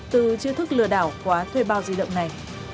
từ chiêu thức lừa đảo qua thuê bao di động này